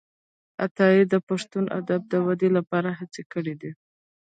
عطايي د پښتو ادب د ودې لپاره هڅي کړي دي.